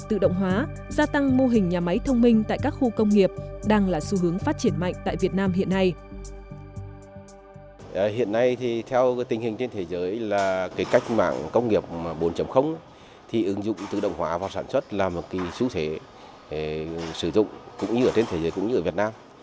theo tình hình trên thế giới là cách mạng công nghiệp bốn thì ứng dụng tự động hóa và sản xuất là một số thể sử dụng cũng như ở trên thế giới cũng như ở việt nam